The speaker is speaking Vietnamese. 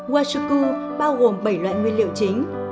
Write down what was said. washoku bao gồm bảy loại nguyên liệu chính